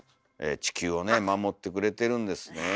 地球をね守ってくれてるんですねえ。